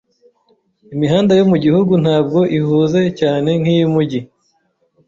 Imihanda yo mugihugu ntabwo ihuze cyane nkiyumujyi.